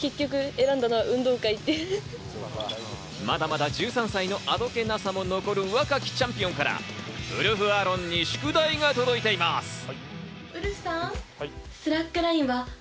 まだまだ１３歳のあどけなさも残る若きチャンピオンからウルフ・アロンに宿題が届いています。